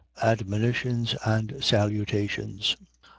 Admonitions and salutations.